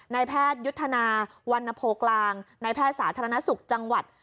แพทยุทธนาวรรณโพกลางนายแพทย์สาธารณสุขจังหวัด